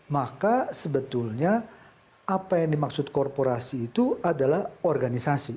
maka sebetulnya apa yang dimaksud korporasi itu adalah organisasi